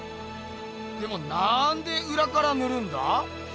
でもなんでうらからぬるんだ？